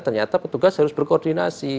ternyata petugas harus berkoordinasi